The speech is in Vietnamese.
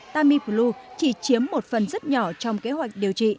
tamiflu chỉ chiếm một phần rất là nhiều